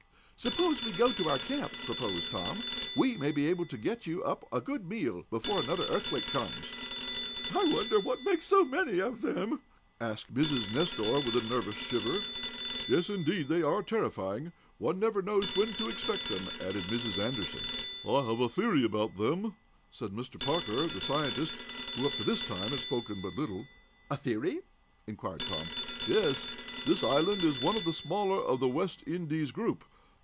"Suppose we go to our camp," proposed Tom. "We may be able to get you up a good meal, before another earthquake comes." "I wonder what makes so many of them?" asked Mrs. Nestor, with a nervous shiver. "Yes, indeed, they are terrifying! One never knows when to expect them," added Mrs. Anderson. "I have a theory about them," said Mr. Parker, the scientist, who, up to this time had spoken but little. "A theory?" inquired Tom. "Yes. This island is one of the smaller of the West Indies group.